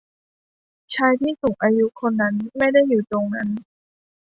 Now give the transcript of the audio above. ชายที่สูงอายุคนนั้นไม่ได้อยู่ตรงนั้น